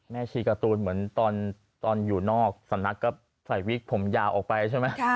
ชีการ์ตูนเหมือนตอนอยู่นอกสำนักก็ใส่วิกผมยาวออกไปใช่ไหม